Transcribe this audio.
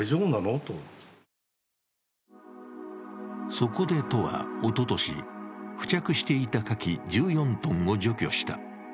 そこで都は、おととし、付着していたカキ１４ｔを除去した。